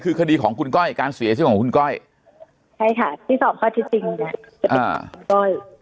คือคดีของคุณก้อยการเสียชื่อของคุณก้อยใช่ค่ะที่สอบข้อจริงเนี่ย